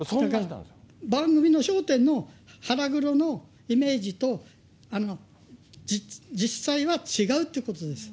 番組の笑点の腹黒のイメージと、実際は違うということです。